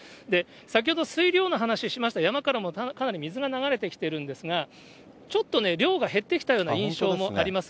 先ほど、水量の話しました、山からもかなり水が流れてきてるんですが、ちょっとね、量が減ってきたような印象もあります。